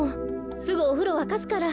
すぐおふろわかすから。